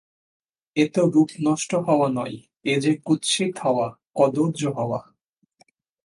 এ তো রূপ নষ্ট হওয়া নয়, এ যে কুৎসিত হওয়া, কদর্য হওয়া!